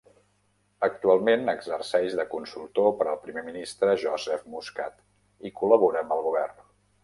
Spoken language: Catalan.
Actualment exerceix de consultor per al primer ministre Joseph Muscat i col·labora amb el govern.